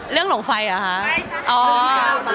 เรื่องหลงไฟเหรอคะ